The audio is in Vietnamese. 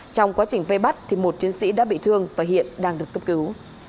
trong quá trình vây bắt một chiến sĩ đã bị thương và hiện đang được cấp cứu